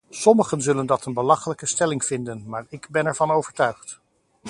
Sommigen zullen dat een belachelijke stelling vinden, maar ik ben ervan overtuigd.